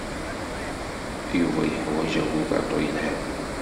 Yuba yeḥwaj abugaṭu yelhan.